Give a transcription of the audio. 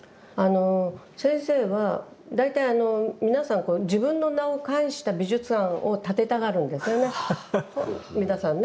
先生は大体皆さん自分の名を冠した美術館を建てたがるんですよね皆さんね